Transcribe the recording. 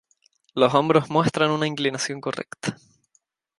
Los hombros muestran una inclinación correcta.